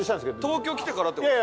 東京来てからって事？